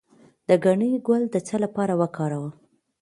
د ګنی ګل د څه لپاره وکاروم؟